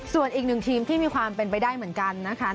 ส่วนอีกหนึ่งทีมที่มีความเป็นไปได้เหมือนกันนะคะ